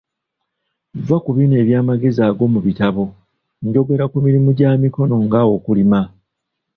Vva ku bino eby'amagezi ag'omubitabo, njogera ku mirimu gya mikono nga okulima.